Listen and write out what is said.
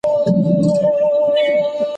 ماشومان بايد ښه و روزل شي